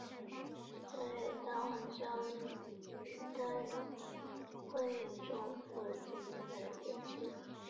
率大湟江一带会众赴金田参加起义。